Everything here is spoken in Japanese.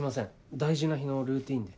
大事な日のルーティンで。